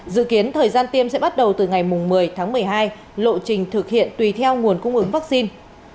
dự kiến thời gian tiêm sẽ bắt đầu từ ngày một mươi tháng một mươi hai lộ trình thực hiện tùy theo nguồn cung ứng vaccine